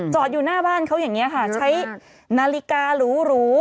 อยู่หน้าบ้านเขาอย่างนี้ค่ะใช้นาฬิการู